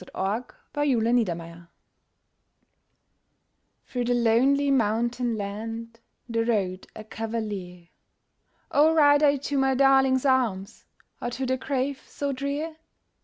THE ECHO (After Heine) Through the lonely mountain land There rode a cavalier. "Oh ride I to my darling's arms, Or to the grave so drear?"